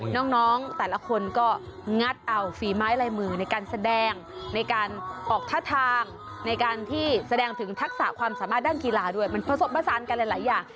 น้องแต่ละคนก็งัดเอาฝีไม้ลายมือในการแสดงในการออกท่าทางในการที่แสดงถึงทักษะความสามารถด้านกีฬาด้วยมันผสมผสานกันหลายอย่าง